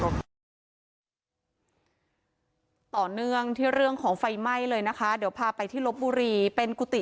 เป็นรถบุรีต่อเนื่องที่เรื่องของไฟไหม้เลยนะคะเดี๋ยวพาไปที่รถบุรี